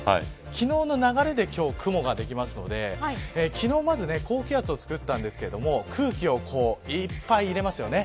昨日の流れで今日、雲ができますので昨日、高気圧を作ったんですが空気をいっぱい入れますよね。